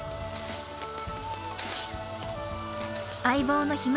相棒のひむ